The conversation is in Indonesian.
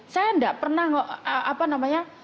saya nggak pernah